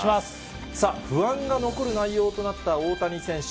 さあ、不安が残る内容となった大谷選手。